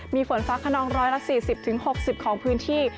มีฝนฟ้าขนอง๑๔๐๖๐ของพื้นที่